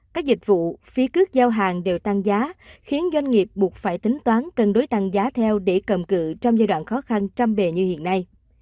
các dịch vụ phí cước giao hàng đều tăng giá khiến doanh nghiệp buộc phải tính toán cân đối tăng giá theo để cầm cự trong giai đoạn khó khăn trăm bề như hiện nay